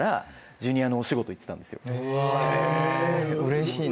うれしいな。